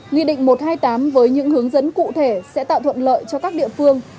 nghị định một trăm hai mươi tám với những hướng dẫn cụ thể sẽ tạo thuận lợi cho các địa phương